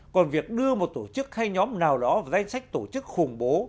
còn việc đưa một tổ chức hay nhóm nào đó vào danh sách tổ chức khủng bố